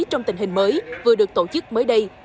trong tình hình mới vừa được tổ chức mới đây